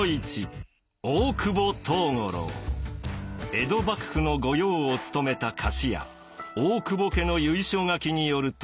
江戸幕府の御用をつとめた菓子屋大久保家の由緒書きによると。